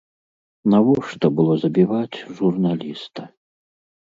Навошта было забіваць журналіста?